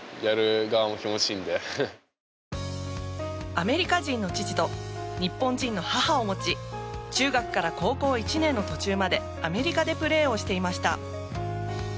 アメリカ人の父と日本人の母を持ち中学から高校１年の途中までアメリカでプレーをしていました。